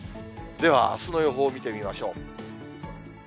では、あすの予報を見てみましょう。